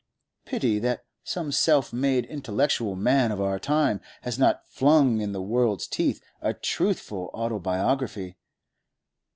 Pity that some self made intellectual man of our time has not flung in the world's teeth a truthful autobiography.